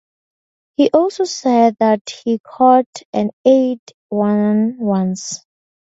He also said that he caught and ate one once.